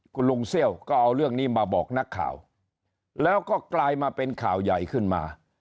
คุณลุงเซี่ยวก็เอาเรื่องนี้มาบอกนักข่าวแล้วก็กลายมาเป็นข่าวใหญ่ขึ้นมา